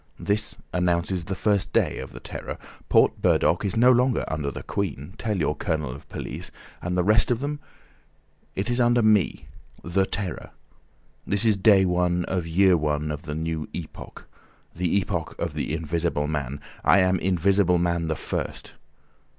This announces the first day of the Terror. Port Burdock is no longer under the Queen, tell your Colonel of Police, and the rest of them; it is under me—the Terror! This is day one of year one of the new epoch—the Epoch of the Invisible Man. I am Invisible Man the First.